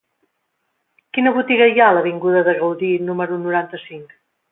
Quina botiga hi ha a l'avinguda de Gaudí número noranta-cinc?